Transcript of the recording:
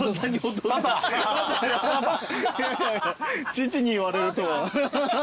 ちちに言われるとは。